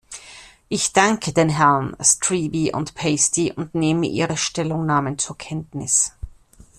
Ich danke den Herren Striby und Pasty und nehme ihre Stellungnahmen zur Kenntnis.